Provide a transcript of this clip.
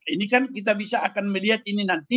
ini kan kita bisa akan melihat ini nanti